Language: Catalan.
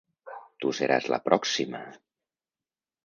Tu seràs la pròxima...